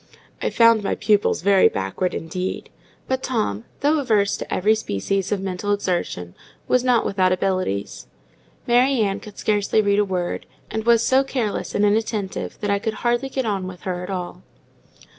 I found my pupils very backward, indeed; but Tom, though averse to every species of mental exertion, was not without abilities. Mary Ann could scarcely read a word, and was so careless and inattentive that I could hardly get on with her at all.